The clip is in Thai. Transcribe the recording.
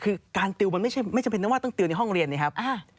คือการติวมันไม่จำเป็นต้องว่าต้องติวในห้องเรียนนะครับ